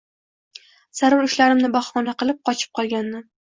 Zarur ishlarimni bahona qilib, qochib qolgandim